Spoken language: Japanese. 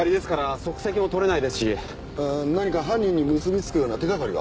何か犯人に結びつくような手掛かりは？